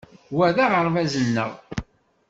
Wa d aɣerbaz-nneɣ.